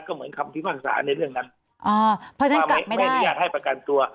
ก็เหมือนคำภิกษาในเรื่องนั้นอ่าเพราะฉะนั้นกลับไม่ได้ไม่ได้ยากให้ประกันตัว